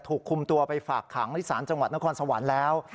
ถูกคุมตัวไปฝากขังที่ศาลจังหวัดนครสวรรค์แล้ว